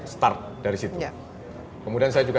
start dari situ kemudian saya juga